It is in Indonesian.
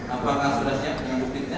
apa kasusnya dengan duk biknya